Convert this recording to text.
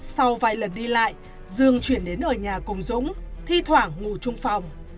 sau vài lần đi lại dương chuyển đến ở nhà cùng dũng thi thoảng ngủ trung phòng